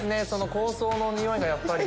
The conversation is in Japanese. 香草の匂いがやっぱり。